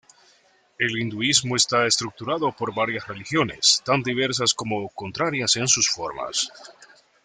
El hinduismo está estructurado por varias religiones, tan diversas como contrarias en sus formas.